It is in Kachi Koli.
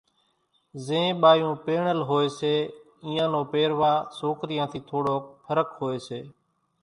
زين ٻايوُن پيڻل هوئيَ سي اينيان نو پيرواۿ سوڪريان ٿِي ٿوڙوڪ ڦرق هوئيَ سي۔